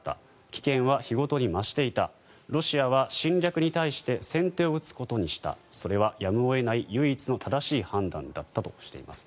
危険は日ごとに増していたロシアは侵略に対して先手を打つことにしたそれはやむを得ない唯一の正しい判断だったとしています。